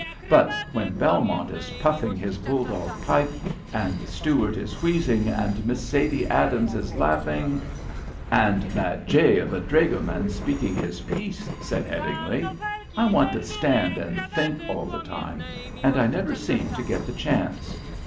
But when Belmont is puffing his bulldog pipe, and Stuart is wheezing, and Miss Sadie Adams is laughing " "And that jay of a dragoman speaking his piece," said Headingly; "I want to stand and think all the time, and I never seem to get the chance.